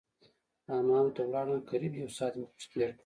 حمام ته ولاړم قريب يو ساعت مې پکښې تېر کړ.